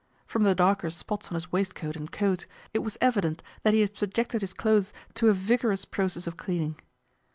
From the darker spots on his waistcoat and coat it was evident that he had subjected his clothes to a vigorious process of cleaning.